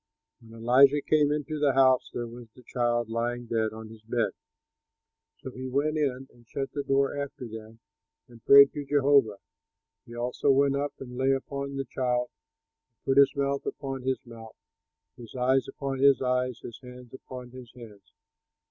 When Elisha came into the house, there was the child lying dead on his bed. So he went in and shut the door after them and prayed to Jehovah. He also went up and lay upon the child and put his mouth upon his mouth, his eyes upon his eyes, and his hands upon his hands.